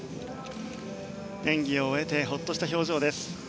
演技を終えてほっとした表情です。